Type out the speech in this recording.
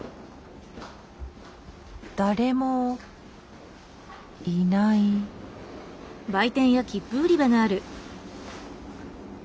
誰もいない。